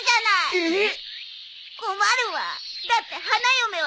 えっ！？